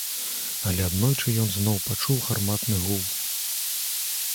Але аднойчы ён зноў пачуў гарматны гул.